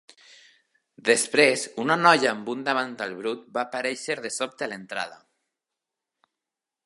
Després, una noia amb un davantal brut va aparèixer de sobte a l'entrada.